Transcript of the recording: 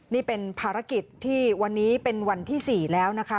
นี่เป็นภารกิจที่วันนี้เป็นวันที่๔แล้วนะคะ